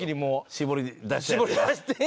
絞り出して。